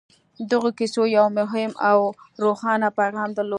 دغو کيسو يو مهم او روښانه پيغام درلود.